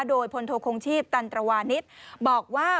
โดยพลโทคงชีพตันตรวานิสบอกว่า